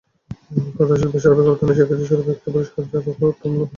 কথাশিল্পে সার্বিক অবদানের স্বীকৃতিস্বরূপ একটি পুরস্কার, যার অর্থমূল্য পাঁচ লাখ টাকা।